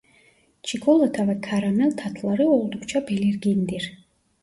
Çikolata ve karamel tatları oldukça belirgindir.